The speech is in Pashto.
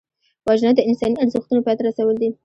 وژنه د انساني ارزښتونو پای ته رسول دي